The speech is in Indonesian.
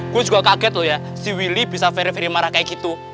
gue juga kaget loh ya si willy bisa very very marah kayak gitu